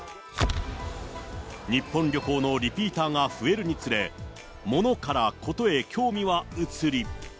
日本旅行のリピーターが増えるにつれ、モノから事へ興味は移り。